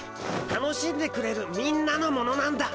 楽しんでくれるみんなのものなんだ。